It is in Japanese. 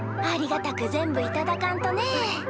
ありがたく全部頂かんとねえ。